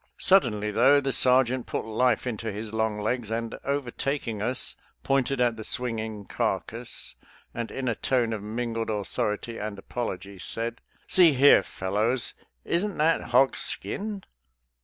Suddenly, though, the sergeant put life into his long legs, and overtaking us, pointed at the swinging carcass, and in a tone of mingled au thority and apology said, " See here, fellows — isn't that hog skinned?